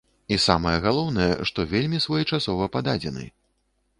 І самае галоўнае, што вельмі своечасова пададзены.